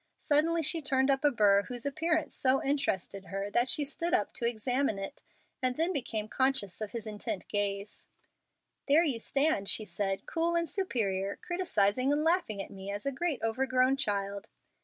Suddenly she turned up a burr whose appearance so interested her that she stood up to examine it, and then became conscious of his intent gaze. "There you stand," she said, "cool and superior, criticising and laughing at me as a great overgrown child."